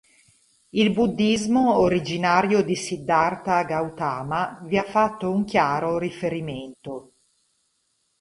Il Buddhismo originario di Siddharta Gautama vi ha fatto un chiaro riferimento.